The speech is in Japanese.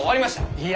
いえ！